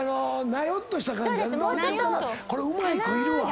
これうまい子いるわ。